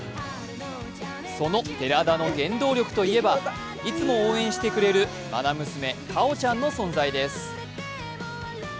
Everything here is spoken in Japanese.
その寺田の原動力といえば、いつも応援してくれるまな娘・果緒ちゃんの存在です。